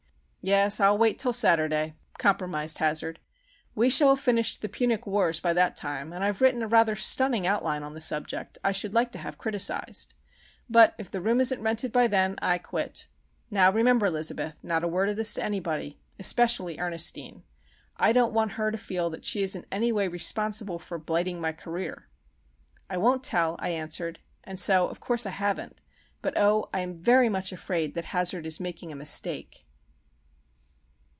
"Yes; I'll wait till Saturday," compromised Hazard. "We shall have finished the Punic Wars by that time, and I've written a rather stunning outline on the subject I should like to have criticised. But if the room isn't rented by then I quit. Now, remember, Elizabeth, not a word of this to anybody,—especially Ernestine. I don't want her to feel that she is in any way responsible for blighting my career." "I won't tell," I answered; and so, of course, I haven't; but, oh, I am very much afraid that Hazard is making a mistake!